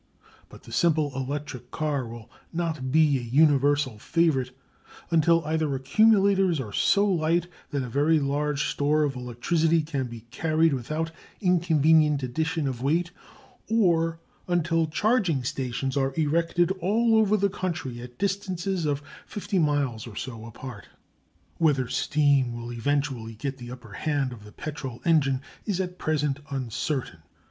But the simple electric car will not be a universal favourite until either accumulators are so light that a very large store of electricity can be carried without inconvenient addition of weight, or until charging stations are erected all over the country at distances of fifty miles or so apart. Whether steam will eventually get the upper hand of the petrol engine is at present uncertain.